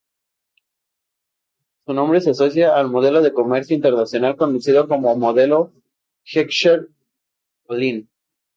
Su nombre se asocia al modelo de comercio internacional conocido como modelo Heckscher-Ohlin.